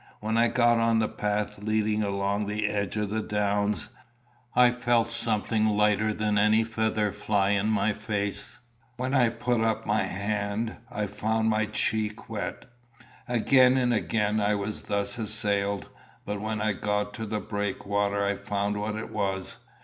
When I got on the path leading along the edge of the downs, I felt something lighter than any feather fly in my face. When I put up my hand, I found my cheek wet. Again and again I was thus assailed, but when I got to the breakwater I found what it was.